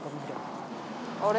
あれ？